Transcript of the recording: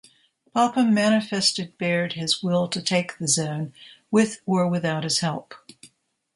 Popham manifested Baird his will to take the zone, with or without his help.